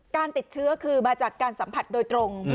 การติดเชื้อคือมาจากการสัมผัสโดยตรง